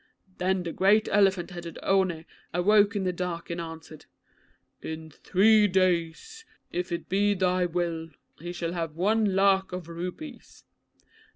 Then that great elephant headed One awoke in the dark and answered, "In three days, if it be thy will, he shall have one lakh of rupees."